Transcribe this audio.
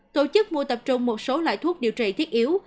tổ chức mua tập trung một số loại thuốc điều trị thiết yếu